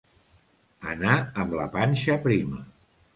Anar amb la panxa prima.